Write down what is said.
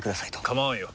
構わんよ。